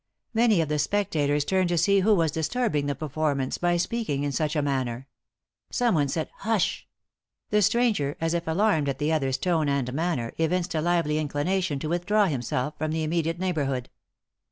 Many of the specta tors turned to see who was disturbing the perform ance by speaking in such a manner. Someone said " Hush 1 " The stranger, as if alarmed at the other's tone and manner, evinced a lively inclination to with draw himself from the immediate neighbourhood.